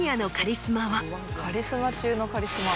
カリスマ中のカリスマ。